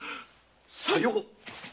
さよう！